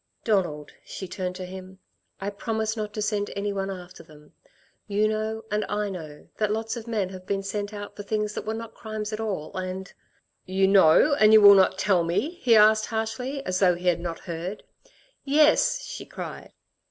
"Donald," she turned to him. "I promised not to send anyone after them. You know, and I know, that lots of men have been sent out for things that were not crimes at all, and " "You know and you will not tell me?" he asked harshly, as though he had not heard. "Yes," she cried.